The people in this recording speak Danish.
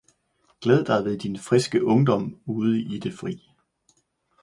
glæd dig ved din friske ungdom ude i det fri!